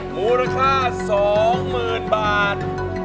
มูลค่า๒๐๐๐๐บาท